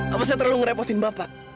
apa saya terlalu ngerepotin bapak